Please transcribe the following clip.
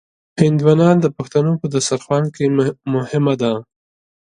هندوانه د پښتنو په دسترخوان کې مهمه ده.